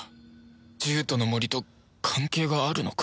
獣人の森と関係があるのか？